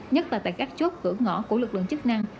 nhất là tại các chốt cửa ngõ của lực lượng chức năng